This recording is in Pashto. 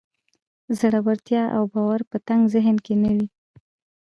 زړورتيا او باور په تنګ ذهن کې نه وي.